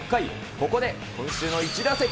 ここで今週の１打席。